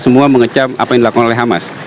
semua mengecam apa yang dilakukan oleh hamas